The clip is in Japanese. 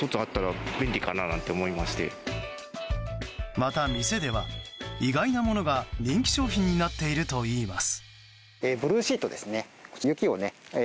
また、店では意外なものが人気商品になっているといいます。